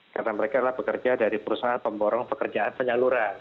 karena mereka adalah pekerja dari perusahaan pemborong pekerjaan penyaluran